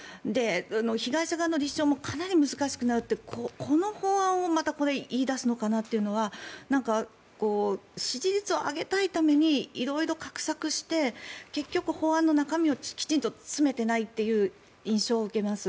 被害者側の立証もかなり難しくなるってこの法案をまたこれ言い出すのかなというのはなんか、支持率を上げたいために色々画策して結局、法案の中身をきちんと詰めてないという印象を受けます。